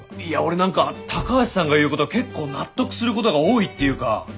いや俺何か高橋さんが言うこと結構納得することが多いっていうか。